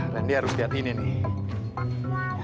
randy harus diatini nih